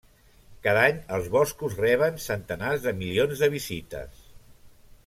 Cada any, els boscos reben centenars de milions de visites.